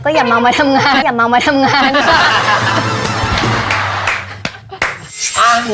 ก็อย่าหมาวมาทำงาน